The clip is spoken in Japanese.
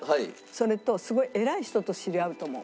それとすごい偉い人と知り合うと思う。